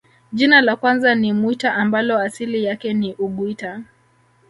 Jina la kwanza ni Mwita ambalo asili yake ni uguita